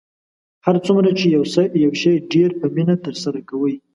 هر څومره چې یو شی ډیر په مینه ترسره کوئ